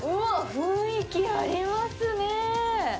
雰囲気ありますね。